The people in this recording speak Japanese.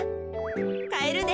かえるで。